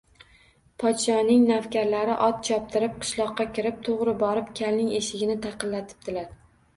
Podshoning navkarlari ot choptirib qishloqqa kirib, to‘g‘ri borib kalning eshigini taqillatibdilar